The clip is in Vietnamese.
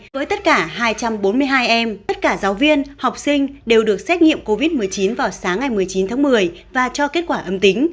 với tất cả hai trăm bốn mươi hai em tất cả giáo viên học sinh đều được xét nghiệm covid một mươi chín vào sáng ngày một mươi chín tháng một mươi và cho kết quả âm tính